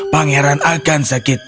pangeran akan mencari botolnya